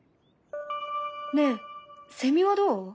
ねえセミはどう？